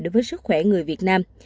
đối với sức khỏe người việt nam